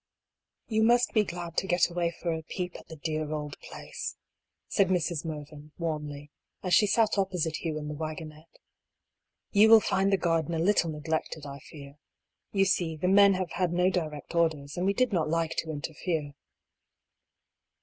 You must be glad to get away for a peep at the dear old place," said Mrs. Mervyn, warmly, as she sat opposite Hugh in the waggonette. "You will find the garden a little neglected, I fear. You see, the men have had no direct orders, and we did not like to interfere."